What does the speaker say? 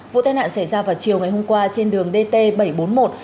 vụ tai nạn xảy ra vào chiều ngày hôm qua trên đường dt bảy trăm bốn mươi một